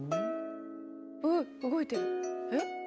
うっ動いてるえっ？